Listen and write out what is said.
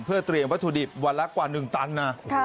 เพื่อเตรียมวัตถุดิบวันละกว่า๑ตันนะ